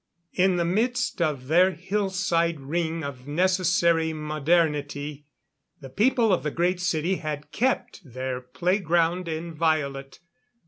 In the midst of their hillside ring of necessary modernity, the people of the Great City had kept their playground inviolate.